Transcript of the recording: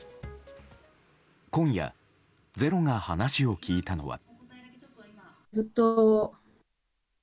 今夜、「ｚｅｒｏ」が話を聞いたのは。